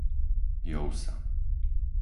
Jovsa